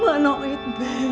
ma'am enggak apa apa ber